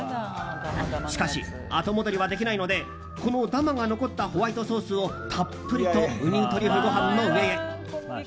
しかし後戻りはできないのでこのダマが残ったホワイトソースをたっぷりとウニトリュフごはんの上へ。